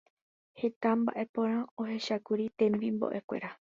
Heta mbaʼe porã ohechákuri temimboʼekuéra.